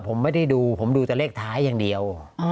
ผมไม่ได้ดูผมดูแต่เลขท้ายอย่างเดียว